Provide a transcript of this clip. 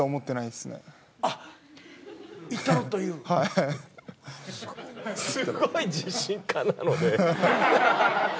すっごい自信家なので。